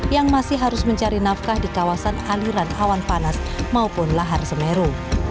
yang masih harus mencari nafkah di kawasan aliran awan panas maupun lahar semeru